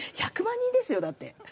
１００万人ですよだって。